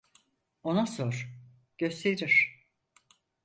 Ona sor, gösterir!